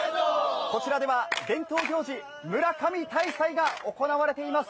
こちらでは伝統行事村上大祭が行われています。